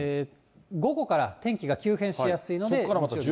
午後から天気が急変しやすいので注意。